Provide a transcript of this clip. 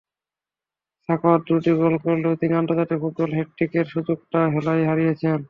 সাখাওয়াত দুটি গোল করলেও তিনি আন্তর্জাতিক ফুটবলে হ্যাটট্রিকের সুযোগটা হেলায় হারিয়েছেন।